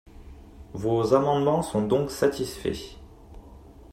Vos amendements sont donc satisfaits.